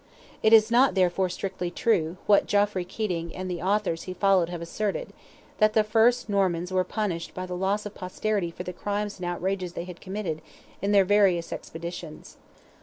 It is not, therefore, strictly true, what Geoffrey Keating and the authors he followed have asserted—that the first Normans were punished by the loss of posterity for the crimes and outrages they had committed, in their various expeditions.